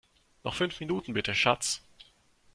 Noch fünf Minuten bitte, Schatz!